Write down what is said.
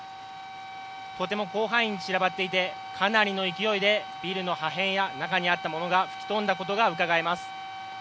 とても広範囲に散らばっていてかなりの勢いでビルの破片や、中にあったものが吹き飛んだことがうかがえます。